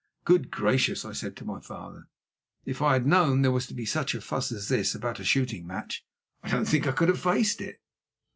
"Good gracious!" I said to my father; "if I had known there was to be such a fuss as this about a shooting match, I don't think I could have faced it."